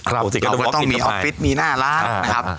เราต้องมีออฟฟิศมีหน้าร้านครับ